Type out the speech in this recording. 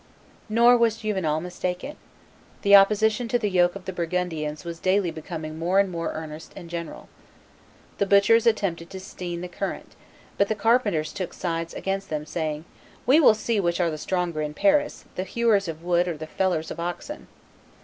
Nor was Juvenal mistaken. The opposition to the yoke of the Burgundians was daily becoming more and more earnest and general. The butchers attempted to stein the current; but the carpenters took sides against them, saying, "We will see which are the stronger in Paris, the hewers of wood or the fellers of oxen."